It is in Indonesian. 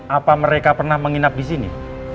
apa mereka pernah menginap disini